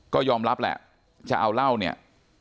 ก็ยอมรับแหละจะเอาเหล้าเนี่ย